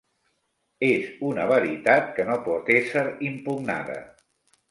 És una veritat que no pot ésser impugnada.